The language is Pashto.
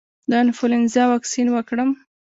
د انفلونزا واکسین وکړم؟